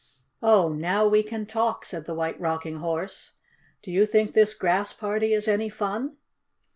"Oh, now we can talk," said the White Rocking Horse. "Do you think this Grass Party is any fun?"